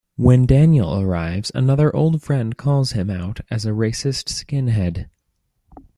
When Daniel arrives, another old friend calls him out as a racist skinhead.